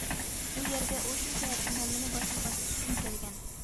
بۇ يەرگە ئۇ شۇ سەۋەبتىن، ھەممىنى باشتىن باشلاش ئۈچۈن كەلگەن.